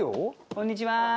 こんにちは。